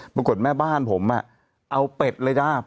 ปรากฏแม่บ้านผมอะเอาเป็ดเลยจ้า